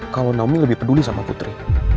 kalau naomi lebih peduli sama putri